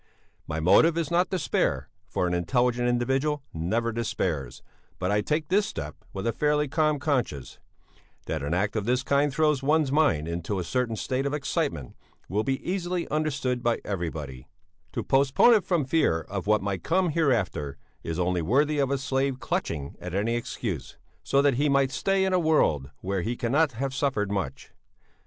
"'My motive is not despair, for an intelligent individual never despairs, but I take this step with a fairly calm conscience; that an act of this kind throws one's mind into a certain state of excitement will be easily understood by everybody; to postpone it from fear of what might come hereafter is only worthy of a slave clutching at any excuse, so that he might stay in a world where he cannot have suffered much.